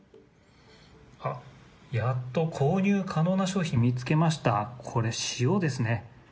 あっ、やっと購入可能な商品見つけました、これ、塩ですね。